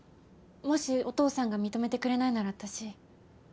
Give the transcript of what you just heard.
もしお父さんが認めてくれないなら私